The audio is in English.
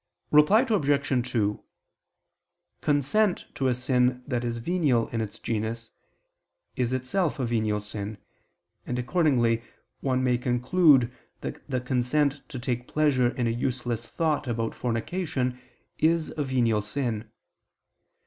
Reply Obj. 2: Consent to a sin that is venial in its genus, is itself a venial sin, and accordingly one may conclude that the consent to take pleasure in a useless thought about fornication, is a venial sin.